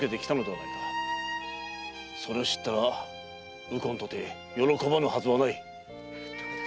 それを知ったら右近とて喜ばぬはずはない。